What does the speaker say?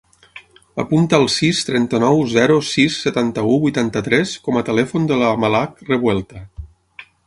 Apunta el sis, trenta-nou, zero, sis, setanta-u, vuitanta-tres com a telèfon de la Malak Revuelta.